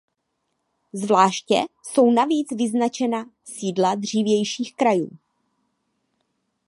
Zvláště jsou navíc vyznačena sídla dřívějších krajů.